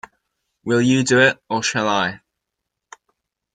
Will you do it, or shall I?